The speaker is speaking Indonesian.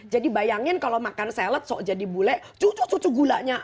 jadi bayangin kalau makan salad so jadi bule cucuk cucuk gulanya